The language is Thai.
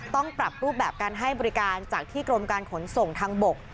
ต้องปรับรูปแบบการให้บริการจากที่กรมการขนส่งทางบก